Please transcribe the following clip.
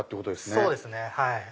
そうですねはい。